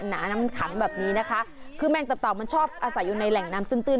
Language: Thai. หนาน้ำขังแบบนี้นะคะคือแมงตับเต่ามันชอบอาศัยอยู่ในแหล่งน้ำตื้นตื้น